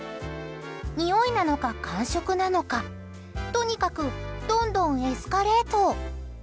においなのか、感触なのかとにかくどんどんエスカレート。